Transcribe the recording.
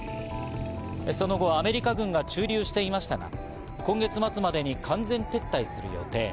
その後、アメリカ軍が駐留していましたが、今月末までに完全撤退する予定。